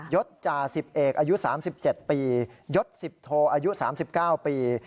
ศจ่า๑๐เอกอายุ๓๗ปียศ๑๐โทอายุ๓๙ปี